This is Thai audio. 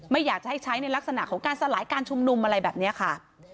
ไม่อยากจะให้ใช้ในลักษณะของการสลายการชุมนุมอะไรแบบนี้ค่ะ